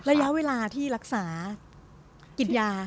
ระยะเวลาที่รักษากินยา